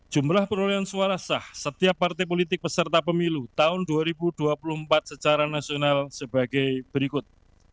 jumlah perolehan suara sah setiap partai politik peserta pemilu tahun dua ribu dua puluh empat secara nasional sebagai berikut